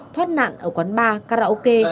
thoát nạn ở quán bar karaoke